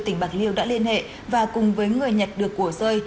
tỉnh bạc liêu đã liên hệ và cùng với người nhặt được của rơi